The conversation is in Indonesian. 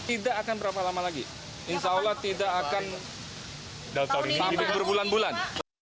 tidak akan berapa lama lagi insya allah tidak akan berbulan bulan